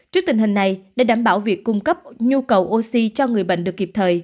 trước tình hình này để đảm bảo việc cung cấp nhu cầu oxy cho người bệnh được kịp thời